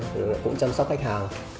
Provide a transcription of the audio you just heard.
cũng chăm sóc khách hàng